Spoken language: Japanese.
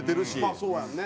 まあそうやんね。